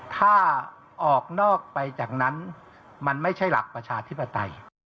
ถ้าออกนอกไปจากนั้นมันไม่ใช่หลักประชาธิปไตย